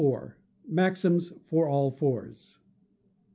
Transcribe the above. Maxims for All Fours.